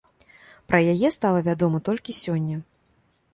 Пра яе стала вядома толькі сёння.